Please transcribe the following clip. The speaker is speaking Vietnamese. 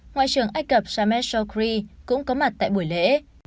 ngoại trưởng ây cập shamed chokri cũng có mặt tại buổi lễ